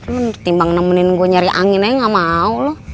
lo pertimbang nemenin gue nyari angin aja gak mau lo